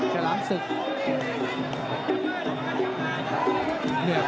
ฉลามศึก